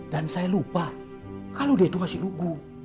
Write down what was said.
dan saya lupa kalau dia itu masih lugu